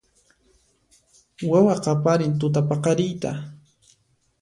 Wawa qaparin tutapaqariyta